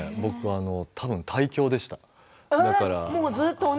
たぶん胎教でした。